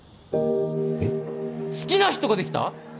えっ好きな人ができた！？